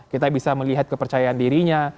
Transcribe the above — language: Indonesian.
kita bisa melihat kepercayaan dirinya